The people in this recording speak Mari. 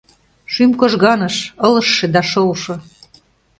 Шӱм кожганыш — ылыжше да шолшо;